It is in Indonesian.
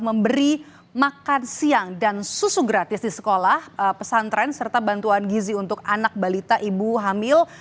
memberi makan siang dan susu gratis di sekolah pesantren serta bantuan gizi untuk anak balita ibu hamil